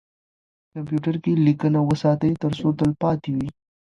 کمپیوتر کې لیکنه وساتئ ترڅو تلپاتې وي.